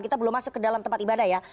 kita belum masuk ke dalam tempat ibadah ya